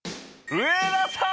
上田さん